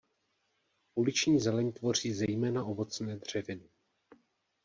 Uliční zeleň tvoří zejména ovocné dřeviny.